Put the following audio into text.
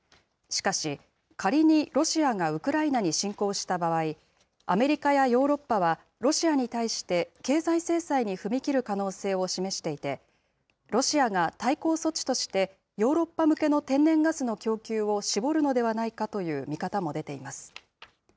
しかし、仮にロシアがウクライナに侵攻した場合、アメリカやヨーロッパはロシアに対して経済制裁に踏み切る可能性を示していて、ロシアが対抗措置として、ヨーロッパ向けの天然ガスの供給を絞るのではないかという見方も出ています。